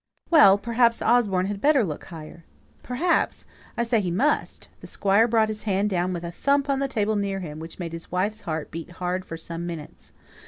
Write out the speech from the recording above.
"Well! perhaps Osborne had better look higher." "Perhaps! I say he must." The Squire brought his hand down with a thump on the table, near him, which made his wife's heart beat hard for some minutes.